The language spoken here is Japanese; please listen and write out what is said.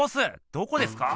どこですか？